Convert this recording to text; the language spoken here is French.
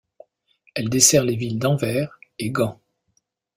Elle dessert les villes d'Anvers et Gand.